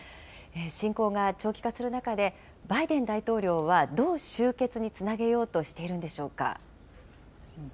侵攻が長期化する中で、バイデン大統領はどう終結につなげようとしているんでしょうか。